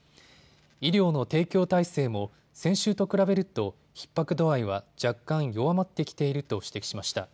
医療の提供体制も先週と比べるとひっ迫度合いは若干弱まってきていると指摘しました。